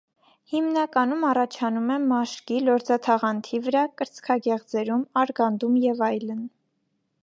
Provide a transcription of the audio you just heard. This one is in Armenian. Հիմնականում առաջանում է մաշկի, լորձաթաղանթի վրա, կրծքագեղձերում, արգանդում և այլն։